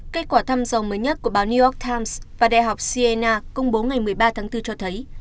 kết quả thăm dò mới nhất của báo new york times và đại học cenna công bố ngày một mươi ba tháng bốn cho thấy